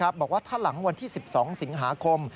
บอกว่าถ้าหลังวันที่๑๒สิงหาคม